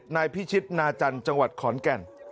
นายพิชิตนาจันทร์จังหวัดขอนแก่น